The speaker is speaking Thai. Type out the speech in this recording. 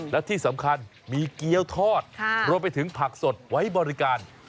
และที่สำคัญมีเกี้ยวทอดรวมไปถึงผักสดไว้บริการ